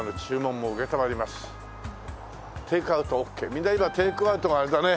みんな今テイクアウトがあれだね